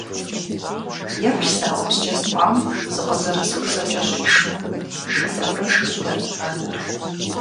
«Еплъ сэ а ӏупскӏэ спӏам зыкъызэрысхузэкӏэщӏишым», жиӏэурэ шхыдэрт анэр.